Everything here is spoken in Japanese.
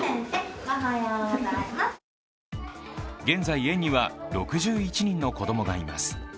現在、園には６１人の子供がいます。